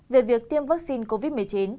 về việc tiêm vaccine covid một mươi chín